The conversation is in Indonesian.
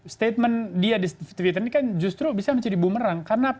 statement dia di twitter ini kan justru bisa menjadi bumerang